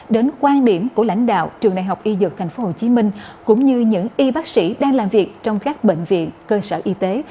đến quan điểm của lãnh đạo trường đại học y dược tp hcm cũng như những y bác sĩ đang làm việc trong các bệnh viện cơ sở y tế